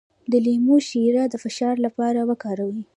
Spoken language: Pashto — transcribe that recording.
د لیمو شیره د فشار لپاره وکاروئ